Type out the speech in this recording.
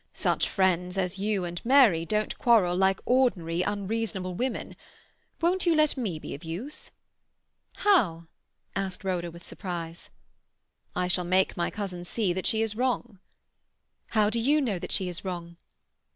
Such friends as you and Mary don't quarrel like ordinary unreasonable women. Won't you let me be of use?" "How?" asked Rhoda with surprise. "I shall make my cousin see that she is wrong." "How do you know that she is wrong?"